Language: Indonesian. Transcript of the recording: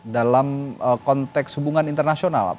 dalam konteks hubungan internasional